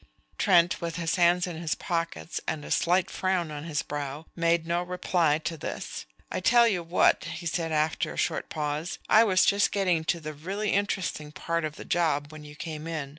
Trent, with his hands in his pockets and a slight frown on his brow, made no reply to this. "I tell you what," he said after a short pause, "I was just getting to the really interesting part of the job when you came in.